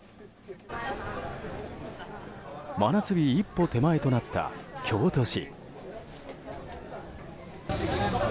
真夏日一歩手前となった京都市。